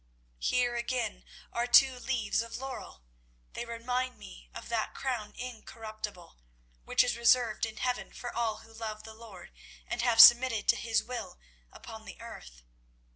Here again are two leaves of laurel. They remind me of that crown incorruptible, which is reserved in heaven for all who love the Lord and have submitted to His will upon the earth.